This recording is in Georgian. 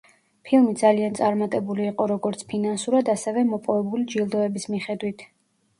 ფილმი ძალიან წარმატებული იყო როგორც ფინანსურად, ასევე მოპოვებული ჯილდოების მიხედვით.